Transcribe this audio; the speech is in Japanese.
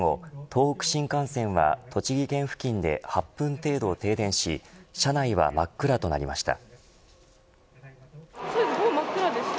東北新幹線は栃木県付近で８分程度停電し車内は真っ暗となりました。